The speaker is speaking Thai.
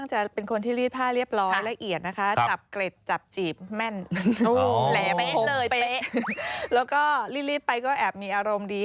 แหละหกเป๊ะแล้วก็รีดไปก็แอบมีอารมณ์ดี